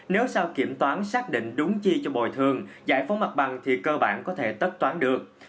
nếu sao kiểm toán xác định đúng chi cho bồi thường giải phóng mặt bằng thì cơ bản có thể tất toán được